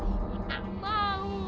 aku tak mau